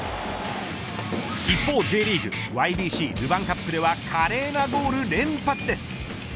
一方、ＪリーグＹＢＣルヴァンカップでは華麗なゴール連発です。